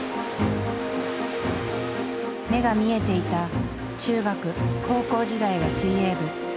目が見えていた中学・高校時代は水泳部。